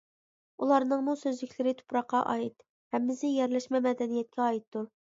ئۇلارنىڭمۇ سۆزلۈكلىرى تۇپراققا ئائىت، ھەممىسى يەرلەشمە مەدەنىيەتكە ئائىتتۇر.